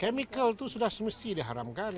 kemisal itu sudah semestinya diharamkan